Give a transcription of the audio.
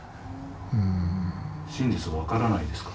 真実が分からないですか？